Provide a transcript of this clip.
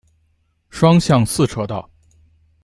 双向四车道。